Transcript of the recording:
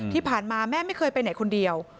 ที่ผ่านมาแม่ไม่เคยไปไหนคนเดียว